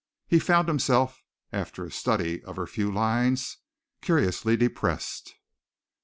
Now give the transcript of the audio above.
He found himself, after a study of her few lines, curiously depressed.